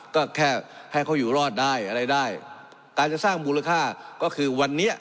ก็แค่ให้เขาอยู่รอดได้อะไรได้การจะสร้างมูลค่าก็คือวันนี้